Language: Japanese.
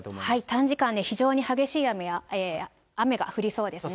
短時間に非常に激しい雨が降りそうです。